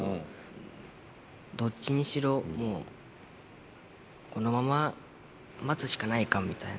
どっちにしろもうこのまま待つしかないかみたいな。